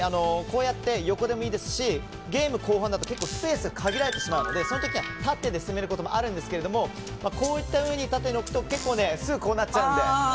横でもいいですしゲーム後半だと結構スペースが限られてしまうのでそういう時は縦で攻めることもあるんですけどもこういったように縦に置くとすぐにこうなっちゃうので。